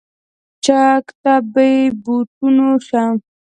چک ته بې بوټونو شه.